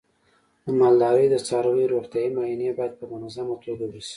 د مالدارۍ د څارویو روغتیايي معاینې باید په منظمه توګه وشي.